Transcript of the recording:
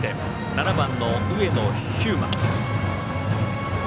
７番の上野飛馬。